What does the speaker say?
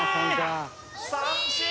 三振！